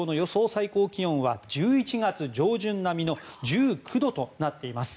最高気温は１１月上旬並みの１９度となっています。